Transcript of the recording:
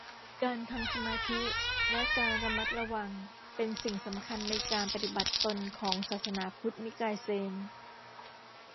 การทำสมาธิและการระมัดระวังเป็นสิ่งสำคัญในการปฏิบัติตนของศาสนาพุทธนิกายเซน